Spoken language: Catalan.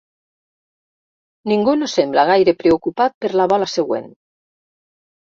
Ningú no sembla gaire preocupat per la bola següent.